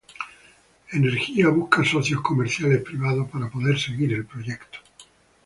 Energía busca socios comerciales privados para poder seguir el proyecto.